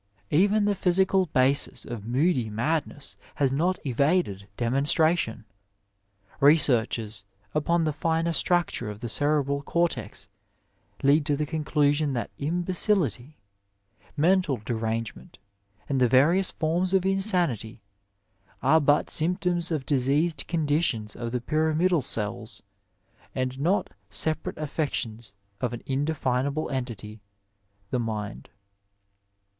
Even the physical basis of moody madness has not evaded demonstration. Researches upon the finer structure of the cerebral cortex lead to the conclusion that imbecility, mental derange ment, and the various forms of insanity are but symptoms of diseased conditions of the pyramidal cells, and not separ ate affections of an indefinable entity, the mind.